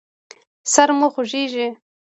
سر مو خوږیږي؟